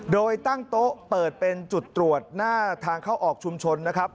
โดยตั้งโต๊ะเปิดเป็นจุดตรวจหน้าทางเข้าออกชุมชนนะครับ